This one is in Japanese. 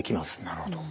なるほど。